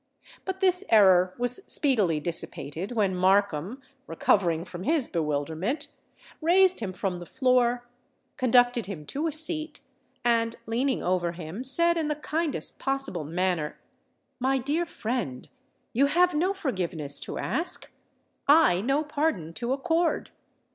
But this error was speedily dissipated, when Markham, recovering from his bewilderment, raised him from the floor, conducted him to a seat, and, leaning over him, said in the kindest possible manner, "My dear friend, you have no forgiveness to ask—I no pardon to accord.